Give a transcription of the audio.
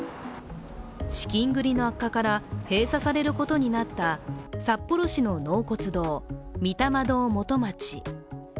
資金繰りの悪化から閉鎖されることになった札幌市の納骨堂・御霊堂元町。